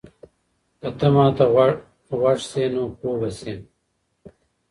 که ته ما ته غوږ سې نو پوه به سې.